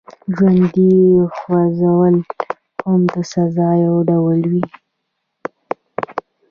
ژوندي ښخول هم د سزا یو ډول و.